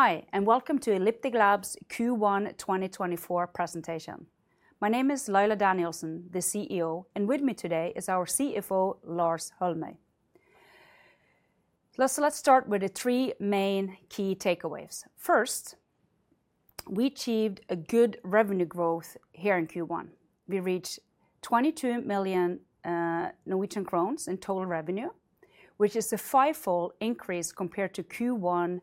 Hi, and welcome to Elliptic Labs Q1 2024 presentation. My name is Laila Danielsen, the CEO, and with me today is our CFO, Lars Holmøy. So let's start with the three main key takeaways. First, we achieved a good revenue growth here in Q1. We reached 22 million Norwegian kroner in total revenue, which is a fivefold increase compared to Q1 2023,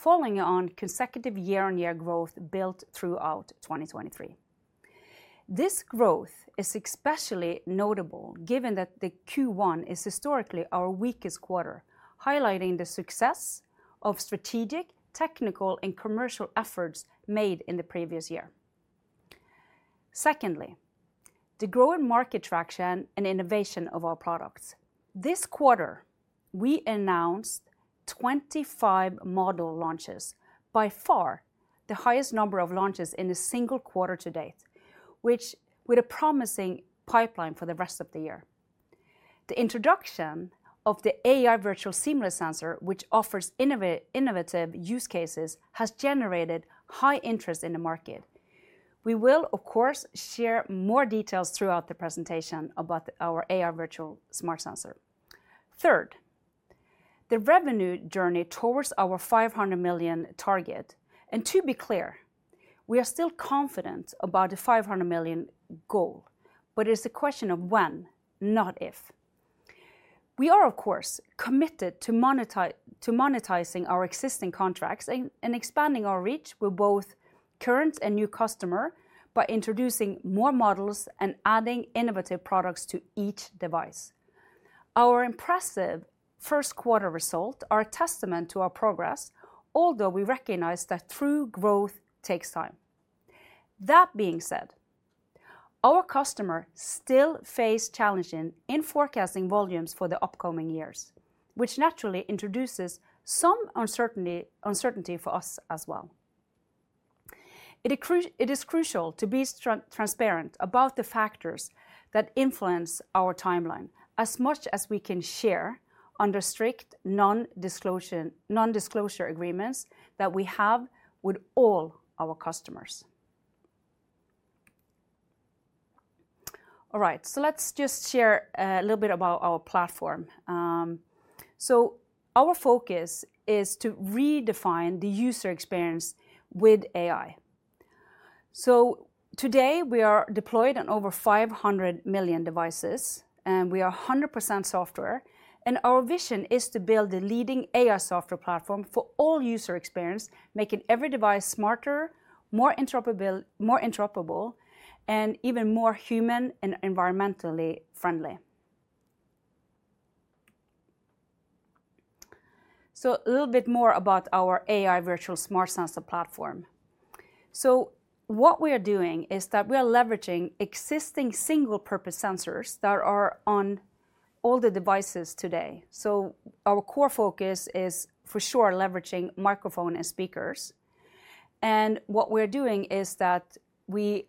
following on consecutive year-on-year growth built throughout 2023. This growth is especially notable given that the Q1 is historically our weakest quarter, highlighting the success of strategic, technical, and commercial efforts made in the previous year. Secondly, the growing market traction and innovation of our products. This quarter, we announced 25 model launches, by far the highest number of launches in a single quarter to date, which, with a promising pipeline for the rest of the year. The introduction of the AI Virtual Seamless Sensor, which offers innovative use cases, has generated high interest in the market. We will, of course, share more details throughout the presentation about our AI Virtual Smart Sensor. Third, the revenue journey towards our 500 million target, and to be clear, we are still confident about the 500 million goal, but it's a question of when, not if. We are, of course, committed to monetizing our existing contracts and expanding our reach with both current and new customers, by introducing more models and adding innovative products to each device. Our impressive first quarter results are a testament to our progress, although we recognize that true growth takes time. That being said, our customers still face challenges in forecasting volumes for the upcoming years, which naturally introduces some uncertainty for us as well. It is crucial to be transparent about the factors that influence our timeline as much as we can share under strict non-disclosure agreements that we have with all our customers. All right, so let's just share a little bit about our platform. Our focus is to redefine the user experience with AI. So today, we are deployed on over 500 million devices, and we are 100% software, and our vision is to build the leading AI software platform for all user experience, making every device smarter, more interoperable, and even more human and environmentally friendly. So a little bit more about our AI Virtual Smart Sensor Platform. So what we are doing is that we are leveraging existing single-purpose sensors that are on all the devices today. So our core focus is, for sure, leveraging microphone and speakers. What we're doing is that we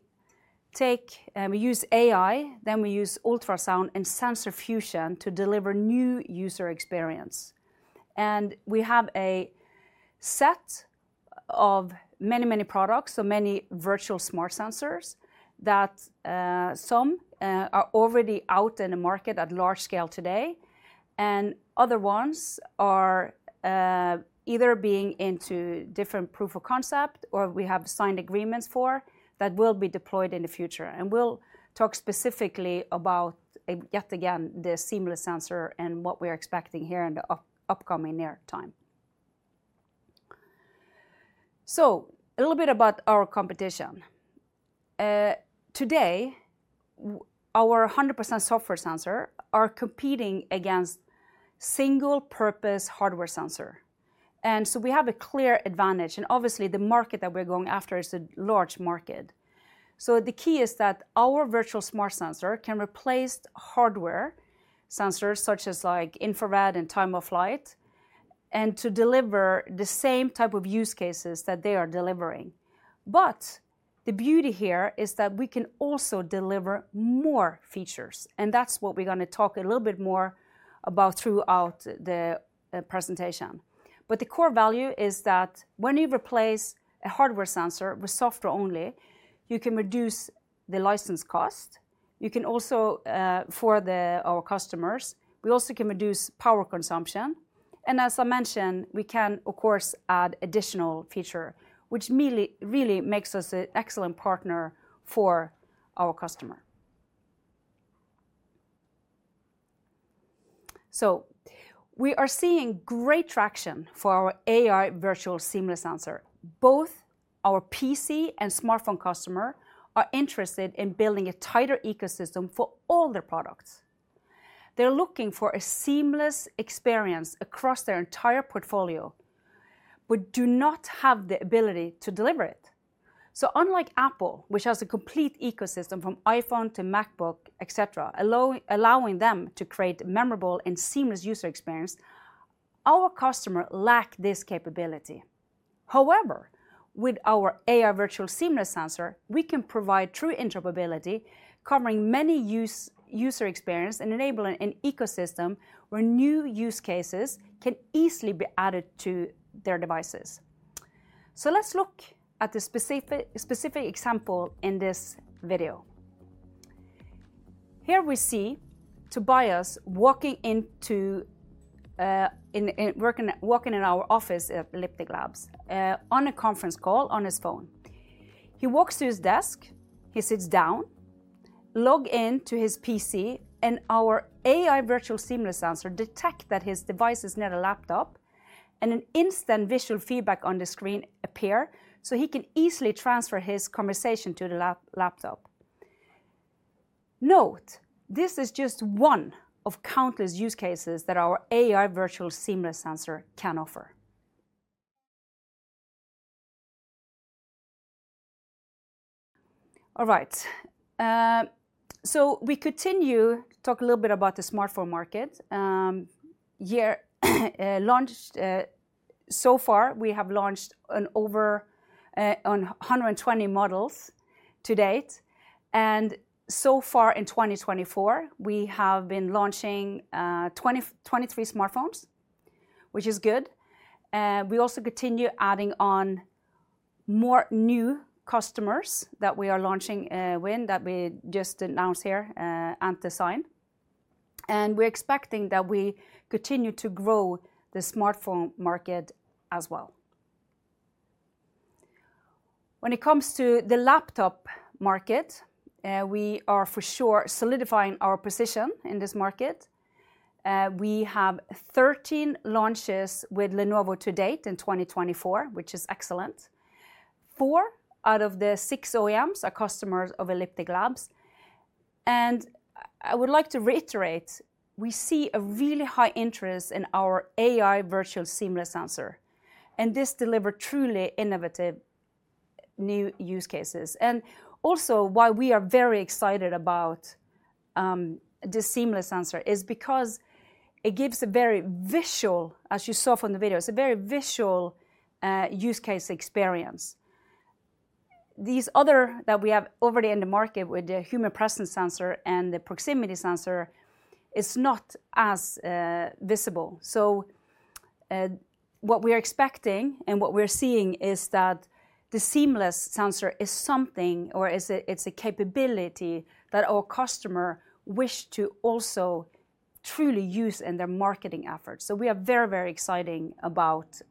take, we use AI, then we use ultrasound and sensor fusion to deliver new user experience. We have a set of many, many products, so many virtual smart sensors, that, some, are already out in the market at large scale today, and other ones are, either being into different proof of concept or we have signed agreements for, that will be deployed in the future. We'll talk specifically about, yet again, the seamless sensor and what we are expecting here in the upcoming near time. So a little bit about our competition. Today, our 100% software sensor are competing against single-purpose hardware sensor, and so we have a clear advantage, and obviously, the market that we're going after is a large market. So the key is that our virtual smart sensor can replace hardware sensors, such as like infrared and Time-of-Flight, and to deliver the same type of use cases that they are delivering. But the beauty here is that we can also deliver more features, and that's what we're gonna talk a little bit more about throughout the presentation. But the core value is that when you replace a hardware sensor with software only, you can reduce the license cost. You can also, for our customers, we also can reduce power consumption, and as I mentioned, we can of course add additional feature, which really really makes us an excellent partner for our customer. So we are seeing great traction for our AI Virtual Seamless Sensor. Both our PC and smartphone customer are interested in building a tighter ecosystem for all their products. They're looking for a seamless experience across their entire portfolio, but do not have the ability to deliver it. So unlike Apple, which has a complete ecosystem from iPhone to MacBook, et cetera, allowing them to create memorable and seamless user experience, our customer lack this capability. However, with our AI Virtual Seamless Sensor, we can provide true interoperability, covering many user experience, and enabling an ecosystem where new use cases can easily be added to their devices. So let's look at the specific example in this video. Here we see Tobias walking into our office at Elliptic Labs on a conference call on his phone. He walks to his desk, he sits down, log in to his PC, and our AI Virtual Seamless Sensor detects that his device is near a laptop, and an instant visual feedback on the screen appears, so he can easily transfer his conversation to the laptop. Note, this is just one of countless use cases that our AI Virtual Seamless Sensor can offer. All right. So we continue to talk a little bit about the smartphone market. So far, we have launched on over 120 models to date, and so far in 2024, we have been launching 23 smartphones, which is good. We also continue adding on more new customers that we are launching with, that we just announced here, and design wins. We're expecting that we continue to grow the smartphone market as well. When it comes to the laptop market, we are for sure solidifying our position in this market. We have 13 launches with Lenovo to date in 2024, which is excellent. 4 out of the 6 OEMs are customers of Elliptic Labs, and I would like to reiterate, we see a really high interest in our AI Virtual Seamless Sensor, and this deliver truly innovative new use cases. Also, why we are very excited about this seamless sensor is because it gives a very visual, as you saw from the video, it's a very visual use case experience. These other, that we have already in the market with the human presence sensor and the proximity sensor, is not as visible. So, what we're expecting and what we're seeing is that the seamless sensor is something, or is a, it's a capability that our customer wish to also truly use in their marketing efforts. So we are very, very exciting about,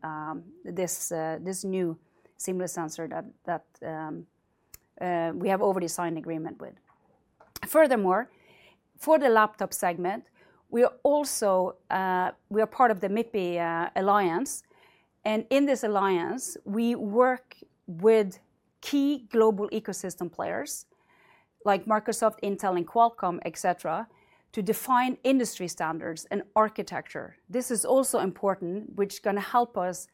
this, this new seamless sensor that, that, we have already signed agreement with. Furthermore, for the laptop segment, we are also, we are part of the MIPI Alliance, and in this alliance, we work with key global ecosystem players, like Microsoft, Intel, and Qualcomm, et cetera, to define industry standards and architecture. This is also important, which gonna help us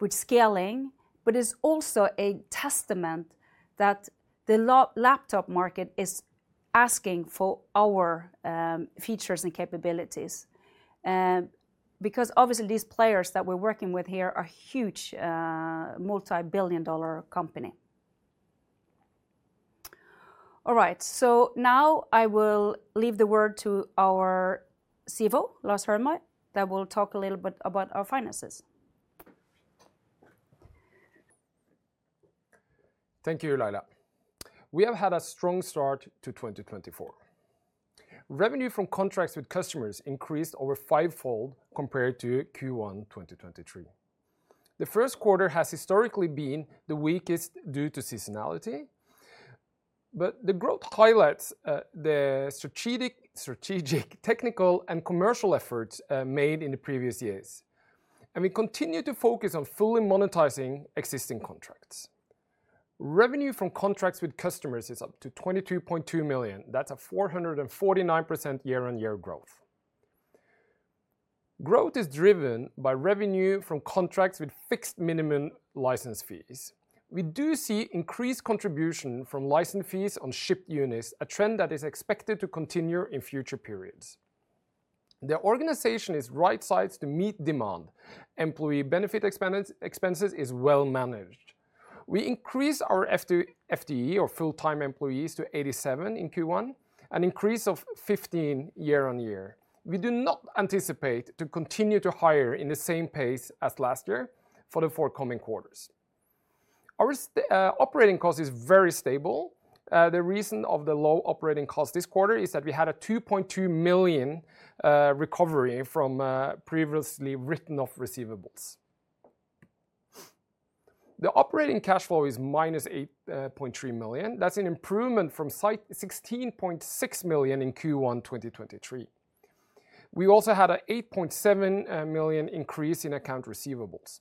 with scaling, but is also a testament that the laptop market is asking for our, features and capabilities. Because obviously, these players that we're working with here are huge, multi-billion dollar company. All right, so now I will leave the word to our CFO, Lars Holmøy, that will talk a little bit about our finances. Thank you, Laila. We have had a strong start to 2024. Revenue from contracts with customers increased over fivefold compared to Q1 2023. The first quarter has historically been the weakest due to seasonality, but the growth highlights the strategic, technical, and commercial efforts made in the previous years. We continue to focus on fully monetizing existing contracts. Revenue from contracts with customers is up to 22.2 million. That's a 449% year-on-year growth. Growth is driven by revenue from contracts with fixed minimum license fees. We do see increased contribution from license fees on shipped units, a trend that is expected to continue in future periods. The organization is right sized to meet demand. Employee benefit expense, expenses is well managed. We increased our FT- FTE, or full-time employees, to 87 in Q1, an increase of 15 year on year. We do not anticipate to continue to hire in the same pace as last year for the forthcoming quarters. Our operating cost is very stable. The reason of the low operating cost this quarter is that we had a 2.2 million recovery from previously written-off receivables. The operating cash flow is -8.3 million. That's an improvement from 16.6 million in Q1 2023. We also had a 8.7 million increase in account receivables.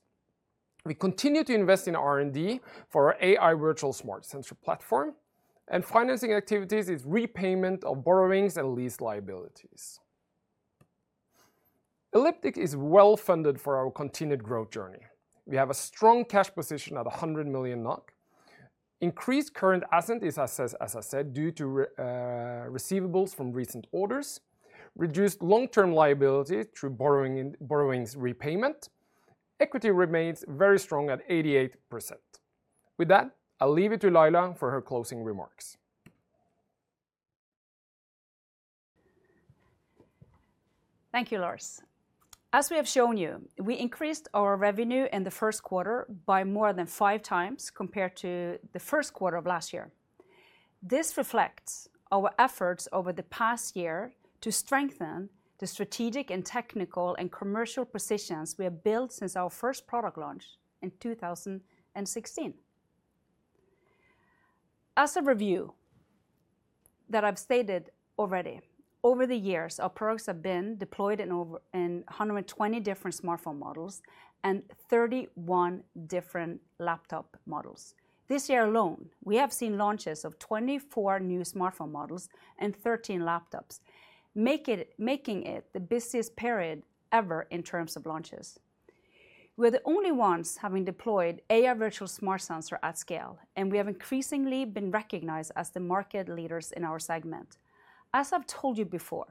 We continue to invest in R&D for our AI virtual smart sensor platform, and financing activities is repayment of borrowings and lease liabilities. Elliptic is well-funded for our continued growth journey. We have a strong cash position of 100 million NOK. Increased current asset is, as I said, due to receivables from recent orders. Reduced long-term liability through borrowing and borrowings repayment. Equity remains very strong at 88%. With that, I'll leave it to Laila for her closing remarks. Thank you, Lars. As we have shown you, we increased our revenue in the first quarter by more than 5 times compared to the first quarter of last year. This reflects our efforts over the past year to strengthen the strategic and technical, and commercial positions we have built since our first product launch in 2016. As a review, that I've stated already, over the years, our products have been deployed in over 120 different smartphone models and 31 different laptop models. This year alone, we have seen launches of 24 new smartphone models and 13 laptops, making it the busiest period ever in terms of launches. We're the only ones having deployed AI Virtual Smart Sensor at scale, and we have increasingly been recognized as the market leaders in our segment. As I've told you before,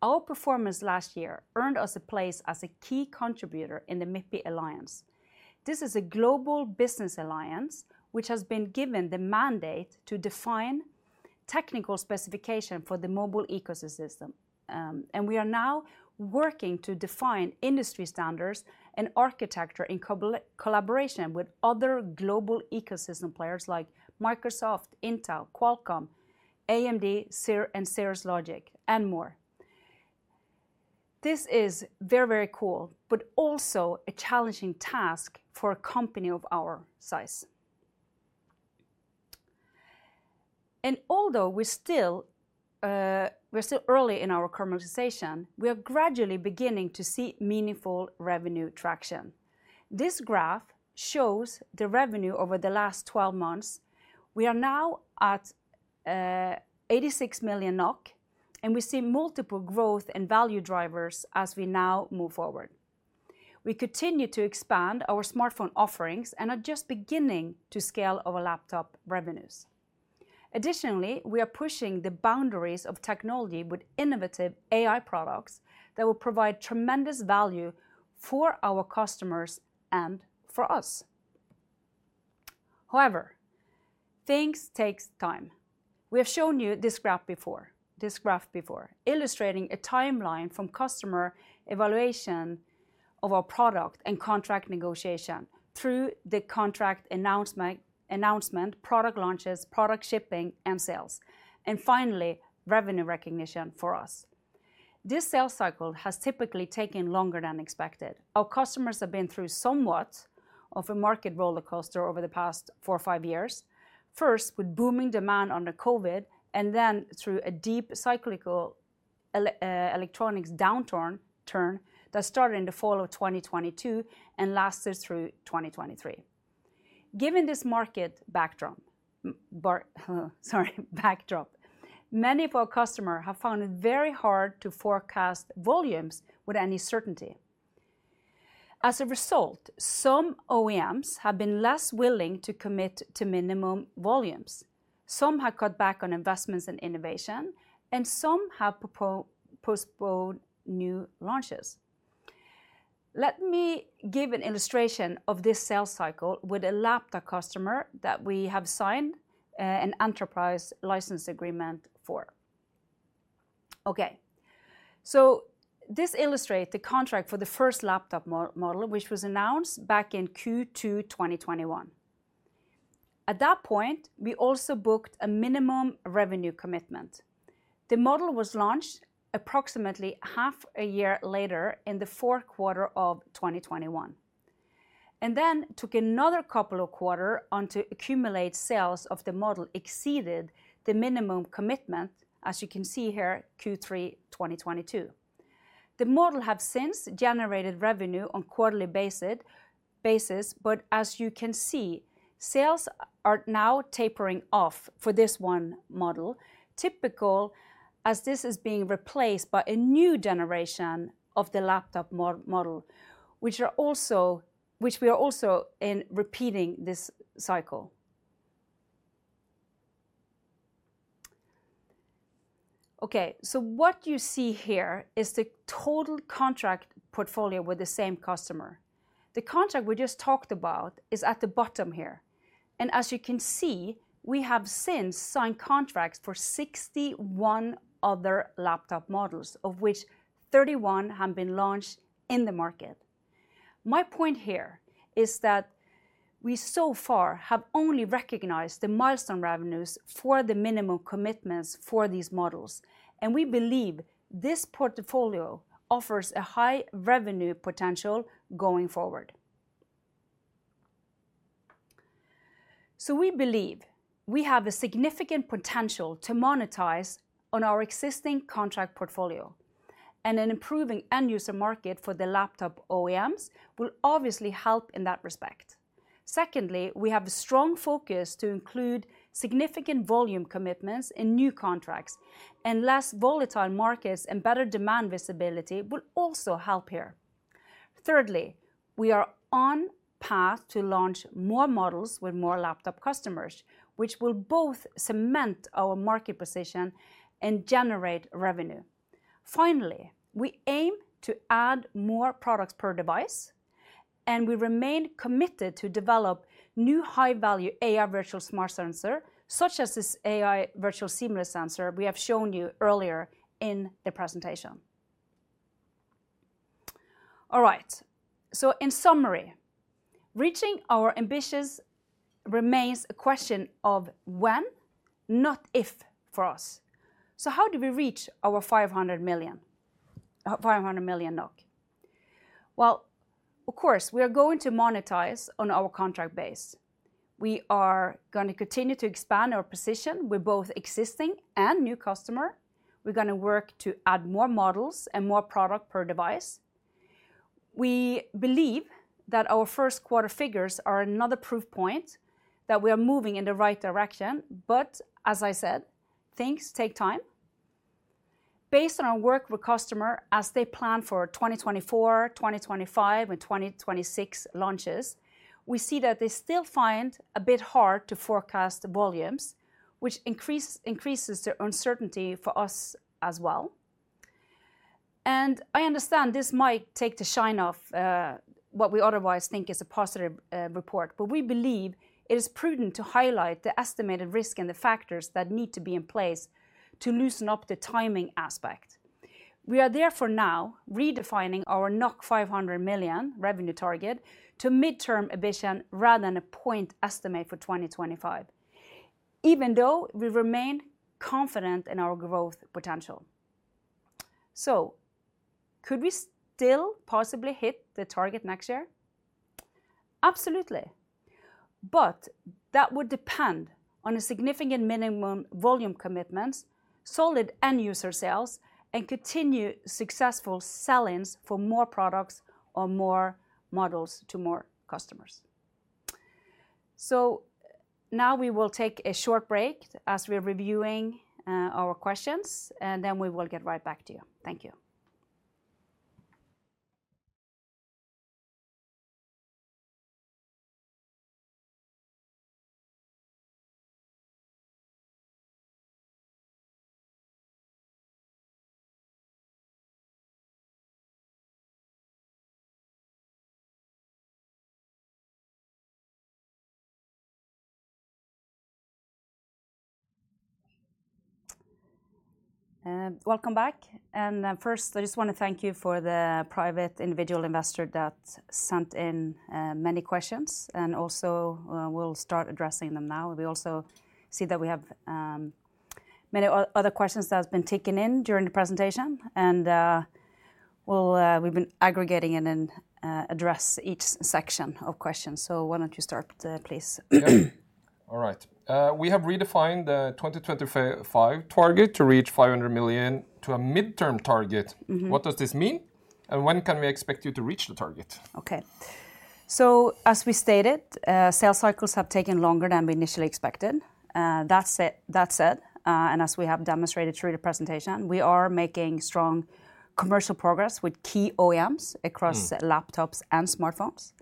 our performance last year earned us a place as a key contributor in the MIPI Alliance. This is a global business alliance, which has been given the mandate to define technical specification for the mobile ecosystem. And we are now working to define industry standards and architecture in collaboration with other global ecosystem players like Microsoft, Intel, Qualcomm, AMD, and Cirrus Logic, and more. This is very, very cool, but also a challenging task for a company of our size. And although we're still, we're still early in our commercialization, we are gradually beginning to see meaningful revenue traction. This graph shows the revenue over the last 12 months. We are now at 86 million NOK, and we see multiple growth and value drivers as we now move forward. We continue to expand our smartphone offerings and are just beginning to scale our laptop revenues. Additionally, we are pushing the boundaries of technology with innovative AI products that will provide tremendous value for our customers and for us. However, things takes time. We have shown you this graph before, illustrating a timeline from customer evaluation of our product and contract negotiation through the contract announcement, product launches, product shipping, and sales, and finally, revenue recognition for us. This sales cycle has typically taken longer than expected. Our customers have been through somewhat of a market rollercoaster over the past four or five years. First, with booming demand under COVID, and then through a deep cyclical electronics downturn that started in the fall of 2022 and lasted through 2023. Given this market backdrop, many of our customer have found it very hard to forecast volumes with any certainty. As a result, some OEMs have been less willing to commit to minimum volumes. Some have cut back on investments in innovation, and some have postponed new launches. Let me give an illustration of this sales cycle with a laptop customer that we have signed an enterprise license agreement for. Okay, so this illustrate the contract for the first laptop model, which was announced back in Q2 2021. At that point, we also booked a minimum revenue commitment. The model was launched approximately half a year later in the fourth quarter of 2021, and then took another couple of quarters on to accumulate sales of the model exceeded the minimum commitment, as you can see here, Q3 2022. The model have since generated revenue on quarterly basis, but as you can see, sales are now tapering off for this one model. Typical, as this is being replaced by a new generation of the laptop model, which we are also in repeating this cycle. Okay, so what you see here is the total contract portfolio with the same customer. The contract we just talked about is at the bottom here, and as you can see, we have since signed contracts for 61 other laptop models, of which 31 have been launched in the market. My point here is that we so far have only recognized the milestone revenues for the minimum commitments for these models, and we believe this portfolio offers a high revenue potential going forward. So we believe we have a significant potential to monetize on our existing contract portfolio, and an improving end user market for the laptop OEMs will obviously help in that respect. Secondly, we have a strong focus to include significant volume commitments in new contracts, and less volatile markets and better demand visibility will also help here. Thirdly, we are on path to launch more models with more laptop customers, which will both cement our market position and generate revenue. Finally, we aim to add more products per device, and we remain committed to develop new high-value AI Virtual Smart Sensor, such as this AI Virtual Seamless Sensor we have shown you earlier in the presentation. All right, so in summary, reaching our ambitions remains a question of when, not if, for us. So how do we reach our 500 million NOK? Well, of course, we are going to monetize on our contract base. We are going to continue to expand our position with both existing and new customer. We're going to work to add more models and more product per device. We believe that our first quarter figures are another proof point that we are moving in the right direction, but as I said, things take time. Based on our work with customer as they plan for 2024, 2025, and 2026 launches, we see that they still find a bit hard to forecast the volumes, which increases the uncertainty for us as well. I understand this might take the shine off, what we otherwise think is a positive report, but we believe it is prudent to highlight the estimated risk and the factors that need to be in place to loosen up the timing aspect. We are therefore now redefining our 500 million revenue target to midterm ambition, rather than a point estimate for 2025, even though we remain confident in our growth potential. So could we still possibly hit the target next year? Absolutely. But that would depend on a significant minimum volume commitments, solid end-user sales, and continued successful sell-ins for more products or more models to more customers. So now we will take a short break as we are reviewing our questions, and then we will get right back to you. Thank you. Welcome back. First, I just want to thank you for the private individual investor that sent in many questions, and also, we'll start addressing them now. We also see that we have many other questions that has been taken in during the presentation, and we'll, we've been aggregating and then address each section of questions. Why don't you start, please? All right. We have redefined the 2025 target to reach 500 million to a midterm target. Mm-hmm. What does this mean, and when can we expect you to reach the target? Okay. So as we stated, sales cycles have taken longer than we initially expected. That said, that said, and as we have demonstrated through the presentation, we are making strong commercial progress with key OEMs- Mm... across laptops and smartphones.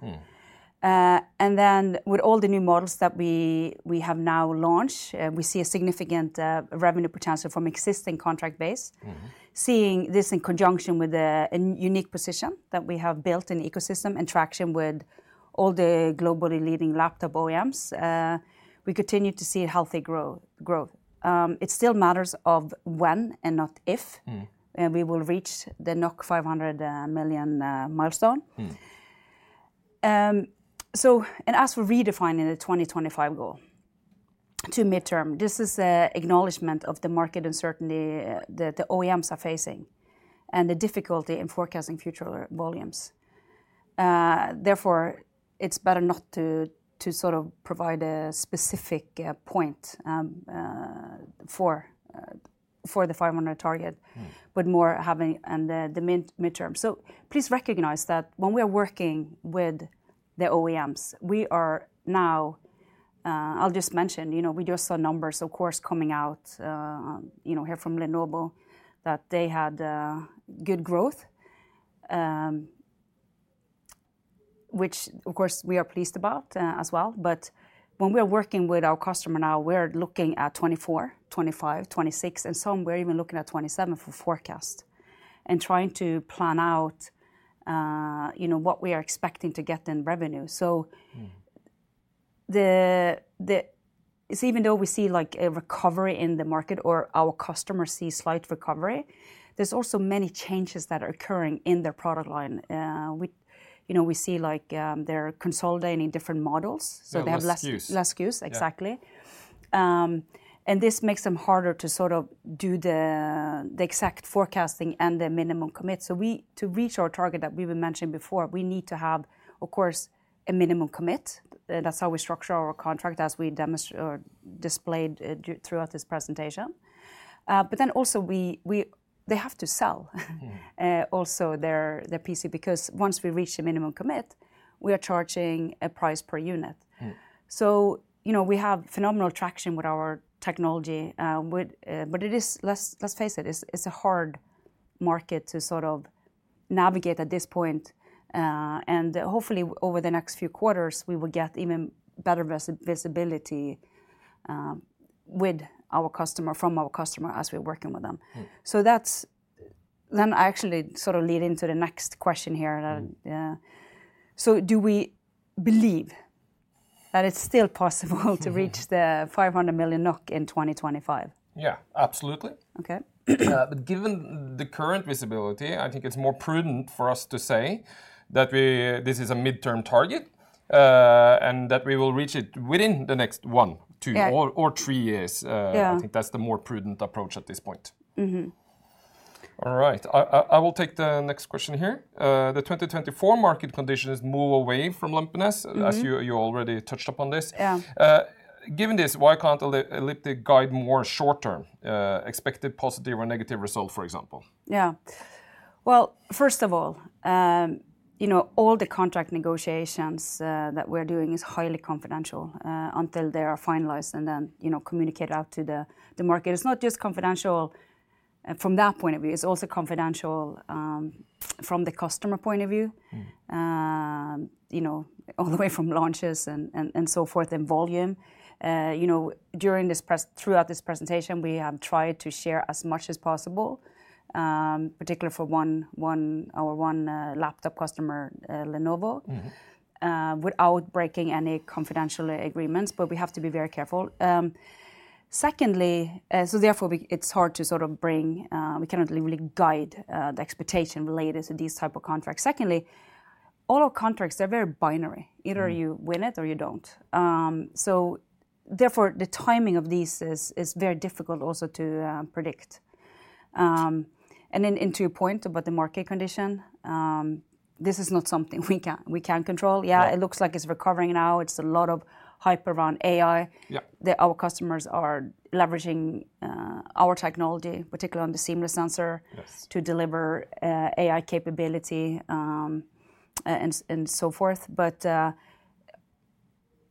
Mm. And then with all the new models that we have now launched, we see a significant revenue potential from existing contract base. Mm-hmm. Seeing this in conjunction with a unique position that we have built in ecosystem and traction with all the globally leading laptop OEMs, we continue to see healthy growth. It still matters of when and not if- Mm We will reach the 500 million milestone. Mm. As we're redefining the 2025 goal to midterm, this is a acknowledgment of the market uncertainty that the OEMs are facing, and the difficulty in forecasting future volumes. Therefore, it's better not to sort of provide a specific point for the 500 target- Mm But more having on the mid- midterm. So please recognize that when we are working with the OEMs, we are now... I'll just mention, you know, we just saw numbers, of course, coming out, you know, here from Lenovo, that they had good growth. Which of course, we are pleased about, as well. But when we are working with our customer now, we're looking at 2024, 2025, 2026, and some we're even looking at 2027 for forecast, and trying to plan out, you know, what we are expecting to get in revenue. So. Mm So even though we see like a recovery in the market or our customers see slight recovery, there's also many changes that are occurring in their product line. We, you know, we see like, they're consolidating different models, so they have less- Less SKUs... less SKUs. Yeah. Exactly. And this makes them harder to sort of do the exact forecasting and the minimum commit. So we, to reach our target that we were mentioning before, we need to have, of course, a minimum commit. That's how we structure our contract, as we demonstrated or displayed throughout this presentation. But then also they have to sell- Mm Also their PC. Because once we reach the minimum commitment, we are charging a price per unit. Mm. So, you know, we have phenomenal traction with our technology. But it is, let's face it, it's a hard market to sort of navigate at this point. And hopefully, over the next few quarters, we will get even better visibility with our customer, from our customer, as we're working with them. Mm. So that's then I actually sort of lead into the next question here, and, yeah. So do we believe that it's still possible to reach? Mm The 500 million NOK in 2025? Yeah, absolutely. Okay. But given the current visibility, I think it's more prudent for us to say that we, this is a midterm target, and that we will reach it within the next one, two. Yeah Or three years. Yeah .I think that's the more prudent approach at this point. Mm-hmm. All right. I will take the next question here. The 2024 market conditions move away from lumpiness- Mm-hmm... as you, you already touched upon this. Yeah. Given this, why can't Elliptic guide more short term expected positive or negative result, for example? Yeah. Well, first of all, you know, all the contract negotiations that we're doing is highly confidential, until they are finalized and then, you know, communicated out to the, the market. It's not just confidential, from that point of view, it's also confidential, from the customer point of view. Mm. You know, all the way from launches and so forth, in volume. You know, throughout this presentation, we have tried to share as much as possible, particularly for our one laptop customer, Lenovo- Mm-hmm... without breaking any confidential agreements, but we have to be very careful. Secondly, so therefore, it's hard to sort of bring, we cannot really guide, the expectation related to these type of contracts. Secondly, all our contracts are very binary. Mm. Either you win it or you don't. So therefore, the timing of these is very difficult also to predict. And then into your point about the market condition, this is not something we can control. No. Yeah, it looks like it's recovering now. It's a lot of hype around AI. Yeah. Our customers are leveraging our technology, particularly on the seamless sensor- Yes... to deliver AI capability and so forth. But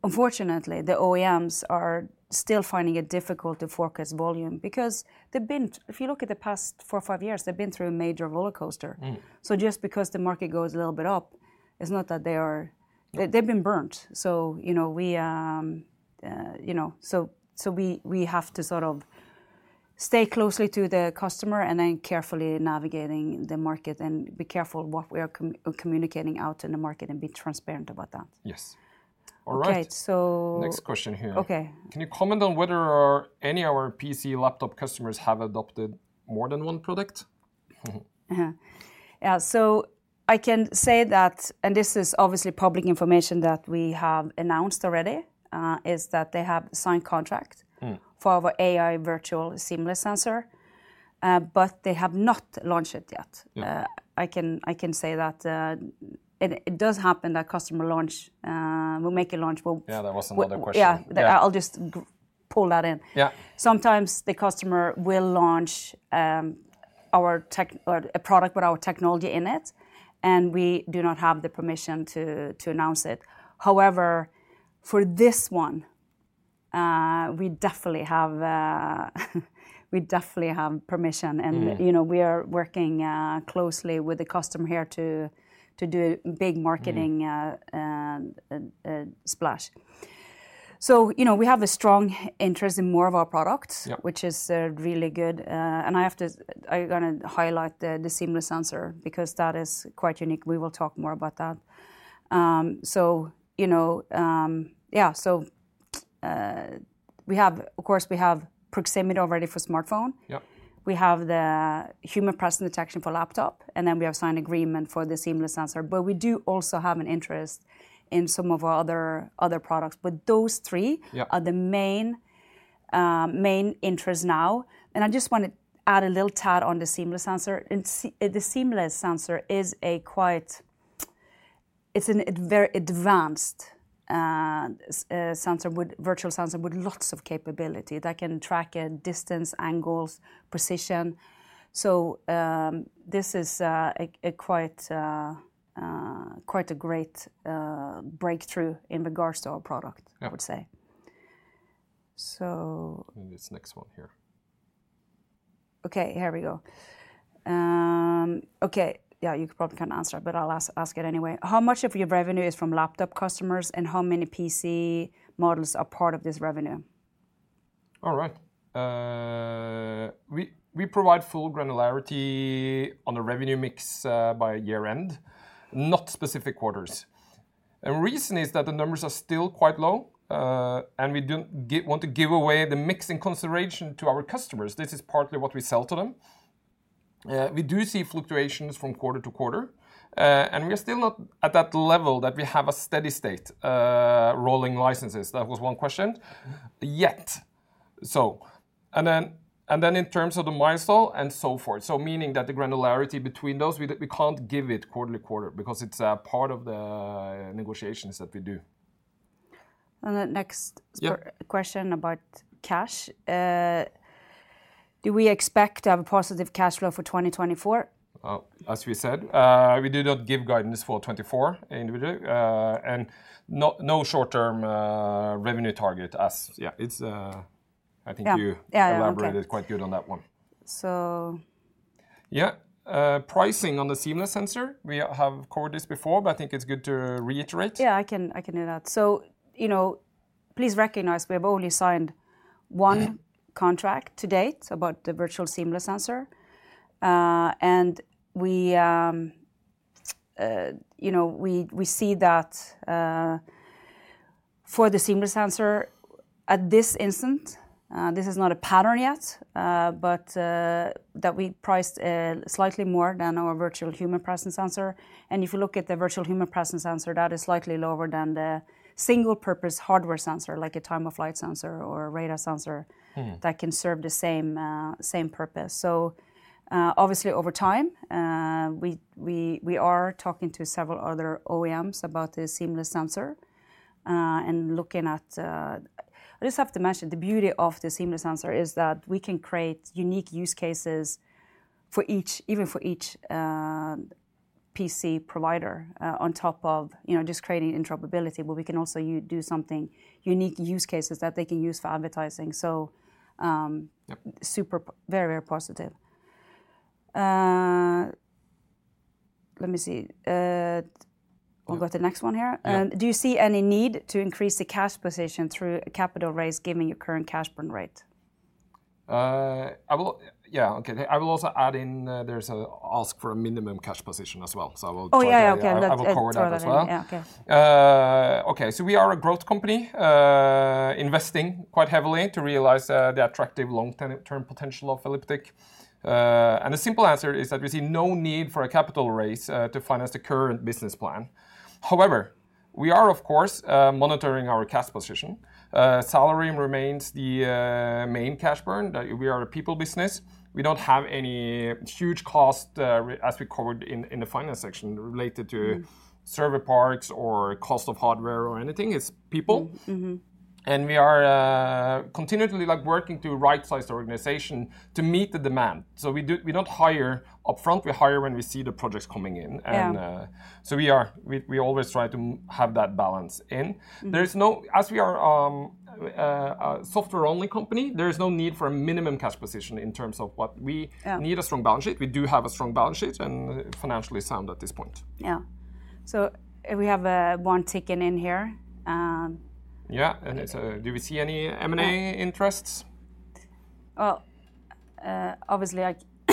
unfortunately, the OEMs are still finding it difficult to forecast volume because they've been... If you look at the past four, five years, they've been through a major rollercoaster. Mm. Just because the market goes a little bit up, it's not that they are- Yeah They've been burnt, so, you know, we, you know, so, so we, we have to sort of stay closely to the customer, and then carefully navigating the market, and be careful what we are communicating out in the market, and be transparent about that. Yes. All right. Okay, so- Next question here. Okay. Can you comment on whether any of our PC laptop customers have adopted more than one product? Yeah. Yeah, so I can say that, and this is obviously public information that we have announced already, is that they have signed contract- Mm For our AI Virtual Seamless Sensor, but they have not launched it yet. Yeah. I can say that it does happen that customer launch will make a launch, but. Yeah, that was another question. Yeah. Yeah. I'll just pull that in. Yeah. Sometimes the customer will launch our tech or a product with our technology in it, and we do not have the permission to announce it. However, for this one, we definitely have permission. Mm. You know, we are working closely with the customer here to do big marketing- Mm... splash. So, you know, we have a strong interest in more of our products- Yeah Which is really good. And I have to, I'm gonna highlight the seamless sensor because that is quite unique. We will talk more about that. So, you know, yeah, so, we have, of course, we have proximity already for smartphone. Yep. We have the human presence detection for laptop, and then we have signed agreement for the seamless sensor. But we do also have an interest in some of our other, other products. But those three- Yeah Are the main, main interest now. And I just want to add a little tad on the seamless sensor. The seamless sensor is quite. It's a very advanced virtual sensor with lots of capability that can track a distance, angles, precision. So, this is quite a great breakthrough in regards to our product- Yeah... I would say. So- This next one here. Okay, here we go. Okay, yeah, you probably can answer, but I'll ask it anyway. How much of your revenue is from laptop customers, and how many PC models are part of this revenue? All right. We provide full granularity on the revenue mix by year-end, not specific quarters. Reason is that the numbers are still quite low, and we don't want to give away the mix in consideration to our customers. This is partly what we sell to them. We do see fluctuations from quarter to quarter, and we're still not at that level that we have a steady state rolling licenses. That was one question. Yet, so... And then in terms of the milestone and so forth, so meaning that the granularity between those, we can't give it quarter to quarter because it's a part of the negotiations that we do.... And then next- Yeah. Question about cash. Do we expect to have a positive cash flow for 2024? Well, as we said, we do not give guidance for 2024, and we do... And no, no short-term revenue target as, yeah, it's... Yeah. I think you- Yeah, okay... elaborated quite good on that one. So- Yeah, pricing on the Seamless Sensor, we have covered this before, but I think it's good to reiterate. Yeah, I can, I can do that. So, you know, please recognize we have only signed one- Yeah... contract to date about the virtual Seamless Sensor. And we, you know, we see that, for the Seamless Sensor, at this instant, this is not a pattern yet, but that we priced slightly more than our virtual human presence sensor. And if you look at the virtual human presence sensor, that is slightly lower than the single-purpose hardware sensor, like a time-of-flight sensor or a radar sensor- Mm... that can serve the same, same purpose. So, obviously, over time, we are talking to several other OEMs about the Seamless Sensor, and looking at... I just have to mention, the beauty of the Seamless Sensor is that we can create unique use cases for each, even for each, PC provider, on top of, you know, just creating interoperability, but we can also do something unique use cases that they can use for advertising. So- Yeah... super, very, very positive. Let me see. Yeah. We'll go to the next one here. Yeah. Do you see any need to increase the cash position through a capital raise, given your current cash burn rate? Yeah, okay, I will also add in. There's an ask for a minimum cash position as well. So I will throw in- Oh, yeah, okay, that- I will cover that as well. Yeah, okay. Okay, so we are a growth company, investing quite heavily to realize the attractive long-term potential of Elliptic. The simple answer is that we see no need for a capital raise to finance the current business plan. However, we are, of course, monitoring our cash position. Salary remains the main cash burn. We are a people business. We don't have any huge cost, as we covered in the finance section, related to- Mm... server parts or cost of hardware or anything. It's people. Mm-hmm. We are continually, like, working to right-size the organization to meet the demand. We don't hire upfront, we hire when we see the projects coming in. Yeah. And, so we are, we always try to have that balance, and- Mm... there's no, as we are, a software-only company, there is no need for a minimum cash position in terms of what we- Yeah... need a strong balance sheet. We do have a strong balance sheet and financially sound at this point. Yeah. So we have one ticking in here. Yeah, and it's, do we see any M&A interests? Yeah. Well, obviously, I -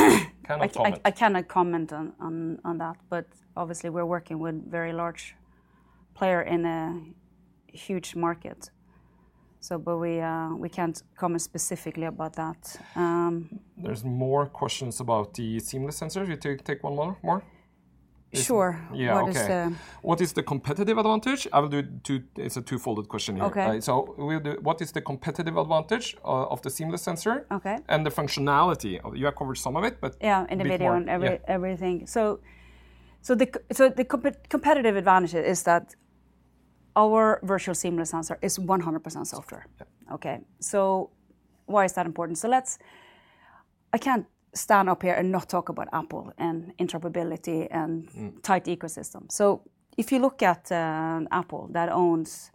Cannot comment... I cannot comment on that, but obviously, we're working with very large player in a huge market. So but we can't comment specifically about that. There's more questions about the Seamless Sensor. We take one more? Sure. Yeah, okay. What is? What is the competitive advantage? I will do two, it's a two-fold question here. Okay. So we'll do, what is the competitive advantage of the Seamless Sensor? Okay. The functionality. You have covered some of it, but- Yeah... a bit more- In the video and every- Yeah... everything. So the competitive advantage is that our virtual Seamless Sensor is 100% software. Yeah. Okay, so why is that important? So let's... I can't stand up here and not talk about Apple and interoperability and- Mm Tight ecosystem. So if you look at Apple, that owns,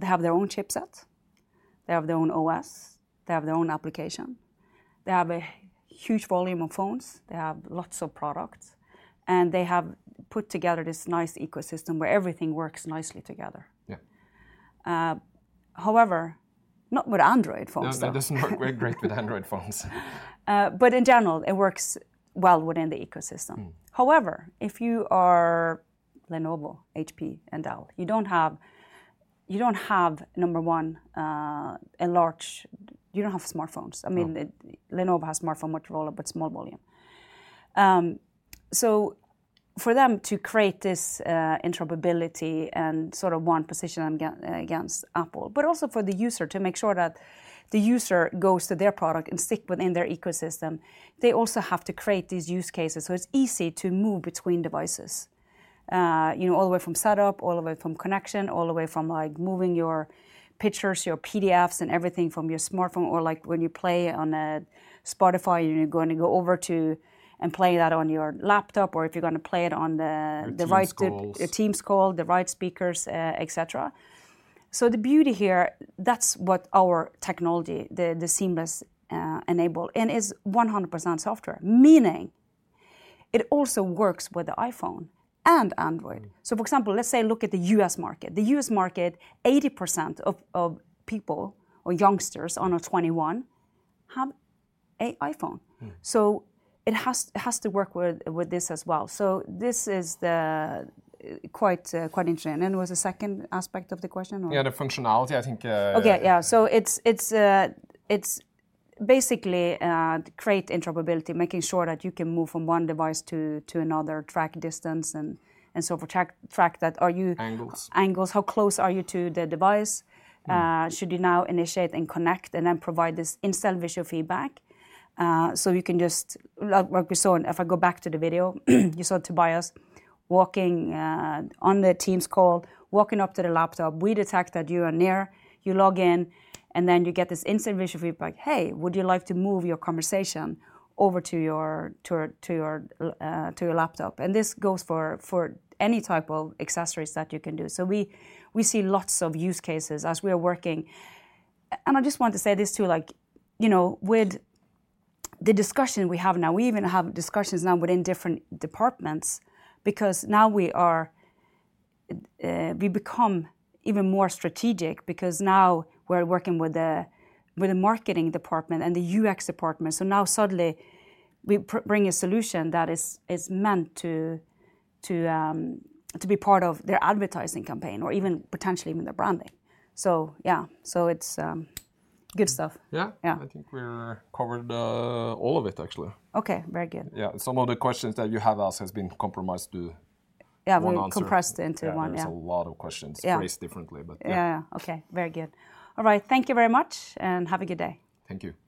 they have their own chipset, they have their own OS, they have their own application, they have a huge volume of phones, they have lots of products, and they have put together this nice ecosystem where everything works nicely together. Yeah. However, not with Android phones, though. No, it does not work very great with Android phones. But in general, it works well within the ecosystem. Mm. However, if you are Lenovo, HP, and Dell, you don't have, you don't have, number one, you don't have smartphones. No. I mean, Lenovo has smartphone with Motroler, but small volume. So for them to create this, interoperability and sort of one position against Apple, but also for the user, to make sure that the user goes to their product and stick within their ecosystem, they also have to create these use cases, so it's easy to move between devices. You know, all the way from setup, all the way from connection, all the way from, like, moving your pictures, your PDFs, and everything from your smartphone, or like, when you play on a Spotify, and you're going to go over to and play that on your laptop, or if you're going to play it on the- Your Teams calls.... the right, the Teams call, the right speakers, et cetera. So the beauty here, that's what our technology, the Seamless, enable, and is 100% software, meaning it also works with the iPhone and Android. Mm. So, for example, let's say look at the U.S. market. The U.S. market, 80% of people or youngsters under 21, have an iPhone. Mm. So it has to work with this as well. So this is quite interesting. And what's the second aspect of the question or? Yeah, the functionality, I think, Okay, yeah. So it's basically to create interoperability, making sure that you can move from one device to another, track distance and so for track that are you- Angles. Angles, how close are you to the device? Mm. Should you now initiate and connect, and then provide this instant visual feedback? So you can just, like we saw, and if I go back to the video, you saw Tobias walking on the Teams call, walking up to the laptop. We detect that you are near, you log in, and then you get this instant visual feedback, "Hey, would you like to move your conversation over to your laptop?" And this goes for any type of accessories that you can do. So we see lots of use cases as we are working. And I just want to say this, too, like, you know, with the discussion we have now, we even have discussions now within different departments, because now we are, we become even more strategic. Because now we're working with the marketing department and the UX department. So now suddenly, we bring a solution that is meant to be part of their advertising campaign or even potentially even their branding. So yeah, so it's good stuff. Yeah. Yeah. I think we're covered, all of it, actually. Okay, very good. Yeah, some of the questions that you have asked has been compromised to- Yeah... one answer. Compressed into one, yeah. There's a lot of questions- Yeah... phrased differently, but yeah. Yeah, yeah. Okay, very good. All right, thank you very much, and have a good day. Thank you.